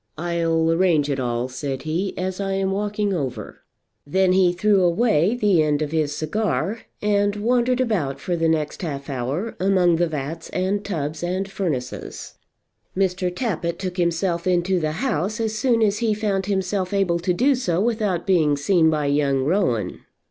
"I'll arrange it all," said he, "as I'm walking over." Then he threw away the end of his cigar, and wandered about for the next half hour among the vats and tubs and furnaces. Mr. Tappitt took himself into the house as soon as he found himself able to do so without being seen by young Rowan.